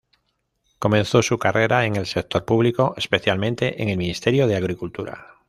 Comenzó su carrera en el sector público, especialmente en el Ministerio de Agricultura.